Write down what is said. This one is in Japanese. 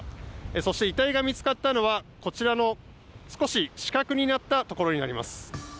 そして遺体が見つかったのは、こちらの少し死角になったところになります。